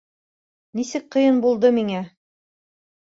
Нисек ҡыйын булды миңә...